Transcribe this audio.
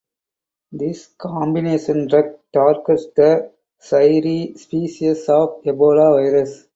This combination drug targets the Zaire species of Ebola virus.